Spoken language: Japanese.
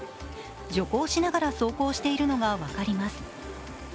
徐行しながら走行しているのが分かります。